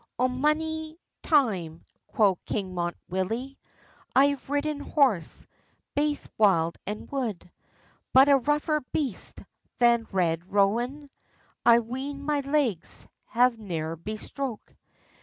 "O mony a time," quo Kinmont Willie. "I have ridden horse baith wild and wood; But a rougher beast than Red Rowan, I ween my legs have neer bestrode.